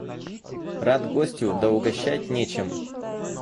– Рад гостю, да угощать нечем.